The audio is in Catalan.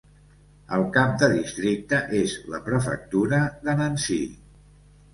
El cap de districte és la prefectura de Nancy.